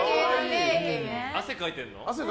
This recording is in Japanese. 汗かいてるの？